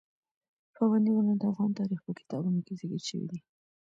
پابندي غرونه د افغان تاریخ په کتابونو کې ذکر شوي دي.